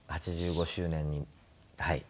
８５周年にはい。